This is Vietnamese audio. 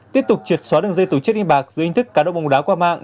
tiếp tục triệt xóa đường dây tổ chức hình bạc giữa hình thức cá đông bồng đá qua mạng